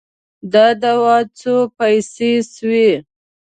د دوا څو پیسې سوې؟